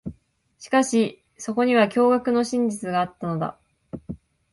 しかし、そこには驚愕の真実があったのだ。